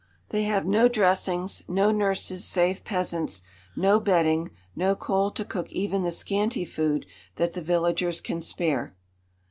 They have no dressings, no nurses save peasants, no bedding, no coal to cook even the scanty food that the villagers can spare.